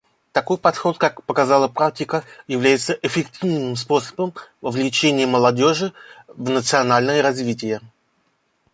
Такой подход, как показала практика, является эффективным способом вовлечения молодежи в национальное развитие.